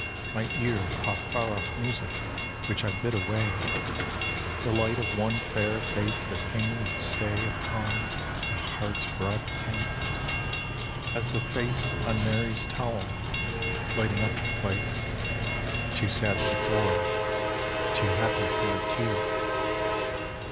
My ear Caught far off music which I bid away. The light of one fair face that fain would stay Upon the heart's broad canvas, as the Face On Mary's towel, lighting up the place. Too sad for joy, too happy for a tear.